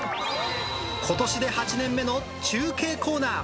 ことしで８年目の中継コーナー。